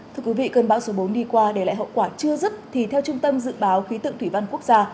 thưa quý vị cơn bão số bốn đi qua để lại hậu quả chưa dứt thì theo trung tâm dự báo khí tượng thủy văn quốc gia